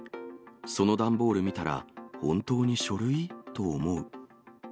その段ボール見たら、本当に書類？と思う。